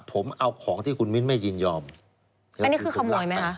ผมเอาของที่คุณมิ้นไม่ยินยอมอันนี้คือขโมยไหมคะ